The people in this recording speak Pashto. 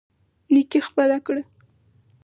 نيکي خپره کړه.